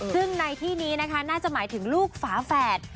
ซึ่งในที่นี้นะคะน่าจะหมายถึงลูกฝาแฝด